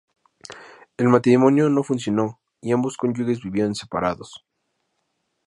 El matrimonio no funcionó y ambos cónyuges vivieron separados.